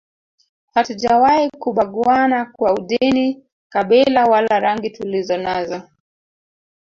Hatujawahi kubaguana kwa udini kabila wala rangi tulizonazo